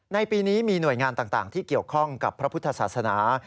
ในปีนี้มีหน่วยงานต่างที่เกี่ยวข้องกับพระพุทธศาสนา